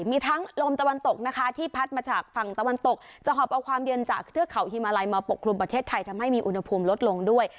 มีทั้งลมตะวันตกนะคะที่พัดมาจากฝั่งตะวันตกจะหอบเอาความเย็นจากเทือกเขาฮิมาลัยมาปกคลุมประเทศไทยทำให้มีอุณหภูมิลดลงด้วย